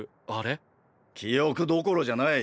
記憶どころじゃない。